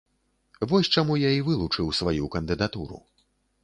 Вось чаму я і вылучыў сваю кандыдатуру.